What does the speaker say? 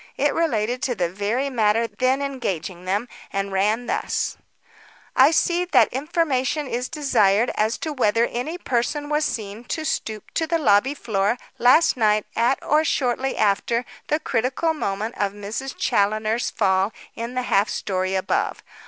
It related to the very matter then engaging them, and ran thus: "I see that information is desired as to whether any person was seen to stoop to the lobby floor last night at or shortly after the critical moment of Miss Challoner's fall in the half story above.